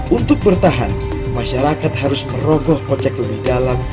untuk bertahan masyarakat harus merogoh kocek lebih dalam